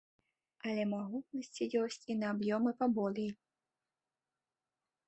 Але магутнасці ёсць і на аб'ёмы паболей.